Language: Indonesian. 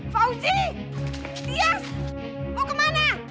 fauzi dias mau kemana